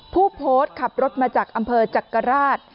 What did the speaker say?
ผู้โพสต์ขับรถมาจากอำเภอจักราช